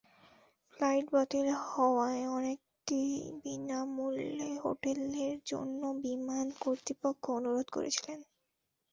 Flight বাতিল হওয়ায় অনেককেই বিনা মূল্যে হোটেলের জন্য বিমান কর্তৃপক্ষকে অনুরোধ করছিলেন।